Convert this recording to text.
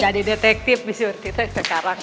jadi detektif disuruh kita sekarang